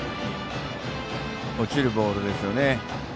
落ちるボールですよね。